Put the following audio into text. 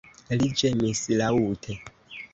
Li ĝemis laŭte.